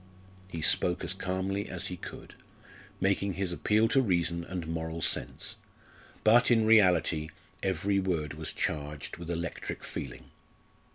He spoke as calmly as he could, making his appeal to reason and moral sense; but, in reality, every word was charged with electric feeling.